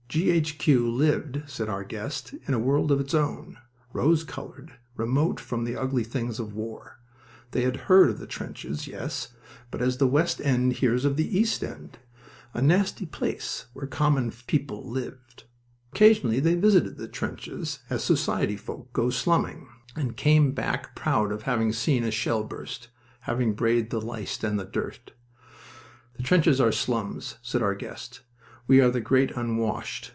G. H. Q. lived, said our guest, in a world of its own, rose colored, remote from the ugly things of war. They had heard of the trenches, yes, but as the West End hears of the East End a nasty place where common people lived. Occasionally they visited the trenches as society folk go slumming, and came back proud of having seen a shell burst, having braved the lice and the dirt. "The trenches are the slums," said our guest. "We are the Great Unwashed.